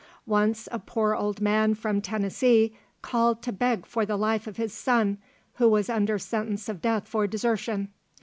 Once a poor old man from Tennessee called to beg for the life of his son, who was under sentence of death for desertion.